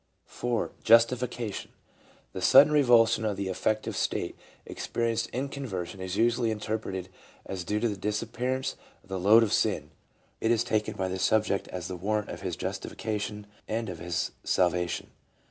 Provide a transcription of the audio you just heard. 4. Justification. The sudden revulsion of the affective state experienced in conversion is usually interpreted as due to the disappearance of the load of sin ; it is taken by the sub ject as the warrant of his justification and of his salvation.